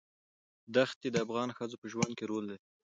دښتې د افغان ښځو په ژوند کې رول لري.